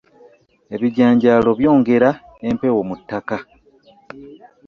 Ebijanjaalo byongera empewo mu ttaka.